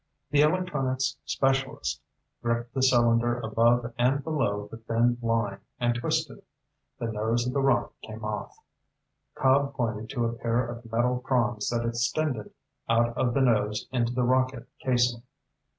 The electronics specialist gripped the cylinder above and below the thin line and twisted. The nose of the rocket came off. Cobb pointed to a pair of metal prongs that extended out of the nose into the rocket casing.